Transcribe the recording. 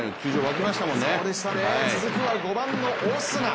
続くは５番のオスナ。